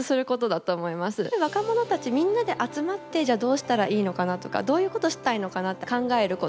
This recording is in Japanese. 若者たちみんなで集まってじゃあどうしたらいいのかなとかどういうことしたいのかなって考えること。